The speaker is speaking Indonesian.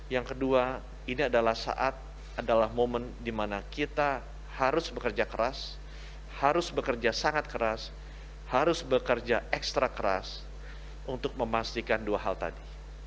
yang kedua ini adalah saat adalah momen di mana kita harus bekerja keras harus bekerja sangat keras harus bekerja ekstra keras untuk memastikan dua hal tadi